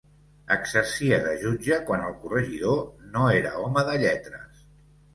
Exercia de jutge quan el corregidor no era home de lletres.